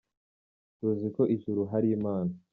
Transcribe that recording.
Tuzi ko mu ijuru hari Imana,